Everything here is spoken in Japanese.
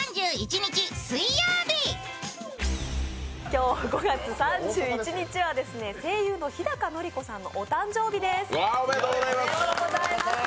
今日５月３１日は声優の日高のり子さんのお誕生日です。